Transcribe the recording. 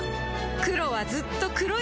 黒はずっと黒いまま